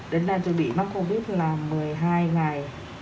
đến nay tôi bị mắc covid là một mươi hai ngày